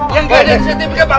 yang nggak ada insentifika pak